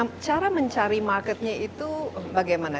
nah cara mencari marketnya itu bagaimana